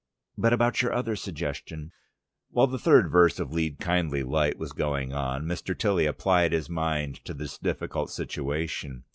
"But about your other suggestion " While the third verse of "Lead, kindly Light" was going on, Mr. Tilly applied his mind to this difficult situation.